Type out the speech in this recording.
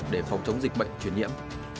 để phòng chống dịch bệnh chuyển nhiễm